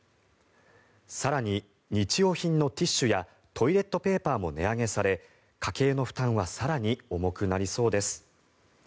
更に、日用品のティッシュやトイレットペーパーも値上げされ家計の負担は更に重くなりそうです。